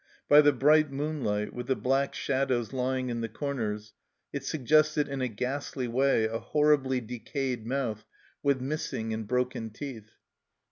By the bright moonlight, with the black shadows lying in the corners, it suggested in a ghastly way a horribly decayed mouth with missing and broken teeth.